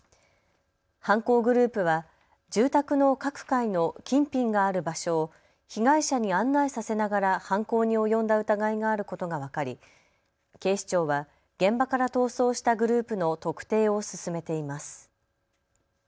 犯行グループは住宅の各階の金品がある場所を被害者に案内させながら犯行に及んだ疑いがあることが分かり警視庁は現場から逃走したグループの特定を進めています。